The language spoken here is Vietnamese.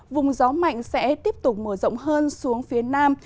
vùng gió mạnh sẽ tiếp tục mở rộng hơn xuống phía nam